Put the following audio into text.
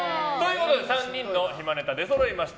３人の暇ネタが出そろいました。